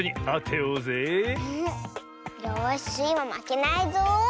よしスイもまけないぞ。